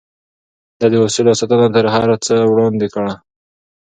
ده د اصولو ساتنه تر هر څه وړاندې کړه.